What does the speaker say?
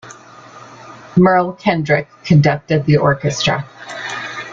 Merle Kendrick conducted the orchestra.